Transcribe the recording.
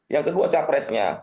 yang kedua capresnya